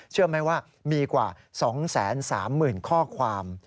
เชื่อไหมว่ามีกว่า๒๓๐๐๐ข้อความ